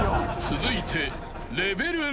［続いて］